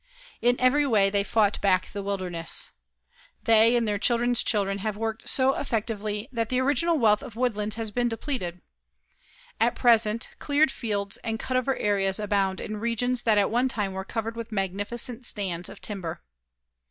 In every way they fought back the wilderness. They and their children's children have worked so effectively that the original wealth of woodlands has been depleted. At present, cleared fields and cutover areas abound in regions that at one time were covered with magnificent stands of timber.